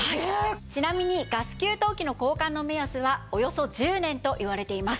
ちなみにガス給湯器の交換の目安はおよそ１０年といわれています。